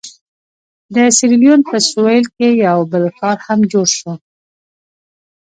د سیریلیون په سوېل کې یو بل ښار هم جوړ شو.